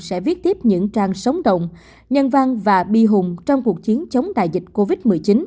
sẽ viết tiếp những trang sóng động nhân văn và bi hùng trong cuộc chiến chống đại dịch covid một mươi chín